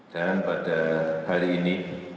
dan pada hari ini